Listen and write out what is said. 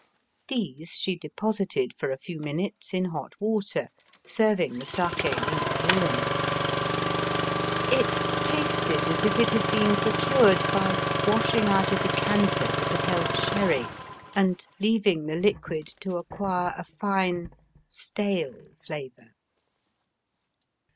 These she deposited for a few minutes in hot water, serving the sake luke warm. It tasted as if it had been procured Digitized by VjOOQIC 238 EAST BT WEST. by washing out a decanter that had held sherry, and leaving the liquid to acquire a fine stale flavour.